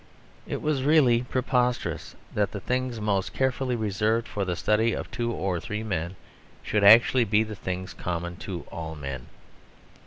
It was really preposterous that the things most carefully reserved for the study of two or three men should actually be the things common to all men.